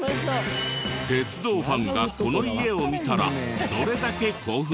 鉄道ファンがこの家を見たらどれだけ興奮するのか？